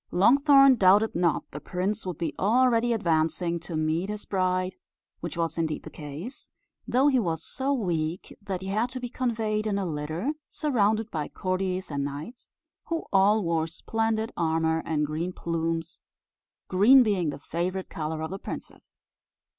Longthorn doubted not the prince would be already advancing to meet his bride, which was indeed the case; though he was so weak that he had to be conveyed in a litter, surrounded by courtiers and knights, who all wore splendid armour and green plumes, green being the favourite colour of the princess.